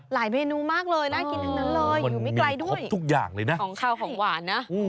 เมนูมากเลยน่ากินทั้งนั้นเลยอยู่ไม่ไกลด้วยครบทุกอย่างเลยนะของข้าวของหวานนะ